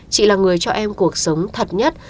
chị là người cho em cuộc sống thật nhất